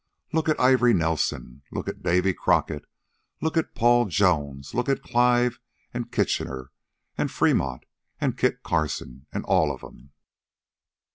Look at Ivory Nelson, look at Davy Crockett, look at Paul Jones, look at Clive, an' Kitchener, an' Fremont, an' Kit Carson, an' all of 'em."